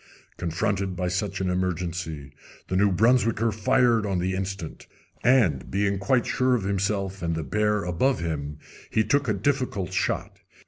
Confronted by such an emergency the New Brunswicker fired on the instant, and, being quite sure of himself and the bear above him, he took a difficult shot.